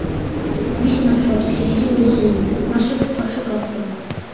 მის ნაცვლად კი დიდი ვეზირი ნასუჰ-ფაშა გახდა.